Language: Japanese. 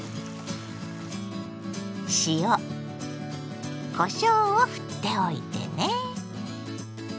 塩こしょうをふっておいてね。